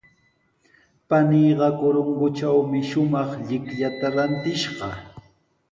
Paniiqa Corongotrawmi shumaq llikllata rantishqa.